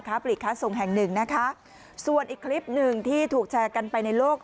ปลีกค้าส่งแห่งหนึ่งนะคะส่วนอีกคลิปหนึ่งที่ถูกแชร์กันไปในโลก